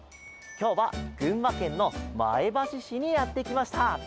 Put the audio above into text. きょうはぐんまけんのまえばししにやってきました。